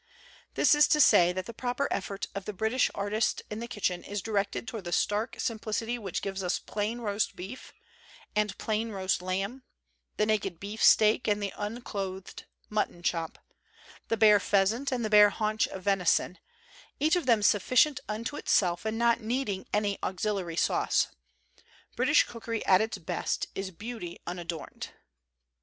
This is to say that the proper effort of the British artist in the kitchen is directed toward the stark simplicity which gives us plain roast beef and plain roast lamb, the naked beefsteak and the unclothed mutton chop, the bare pheasant and the ban* haunch of venison, each of them sufficient unto itself and not need ing any auxiliary sauce. British cookery at its best is beauty unadorned.